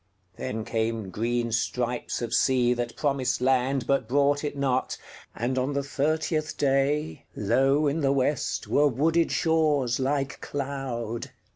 Then came green stripes of sea that promised landBut brought it not, and on the thirtieth dayLow in the West were wooded shores like cloud.